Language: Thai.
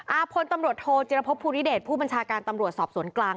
พลตำรวจโทจิรพบภูริเดชผู้บัญชาการตำรวจสอบสวนกลาง